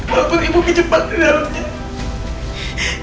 walaupun ibu kecepatan dalamnya